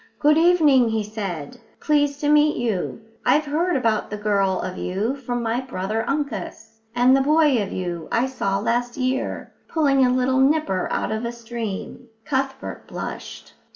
"Good evening," he said, "pleased to meet you. I've heard about the girl of you from my brother Uncus. And the boy of you I saw last year, pulling a little nipper out of a stream." Cuthbert blushed.